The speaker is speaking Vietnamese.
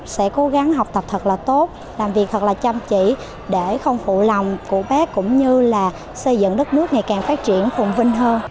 sẽ cố gắng học tập thật là tốt làm việc thật là chăm chỉ để không phụ lòng của bác cũng như là xây dựng đất nước ngày càng phát triển phùng vinh hơn